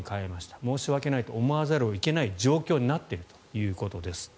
申し訳ないと思わざるを得ない状況になっているということです。